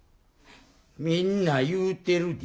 みんな言うてるで。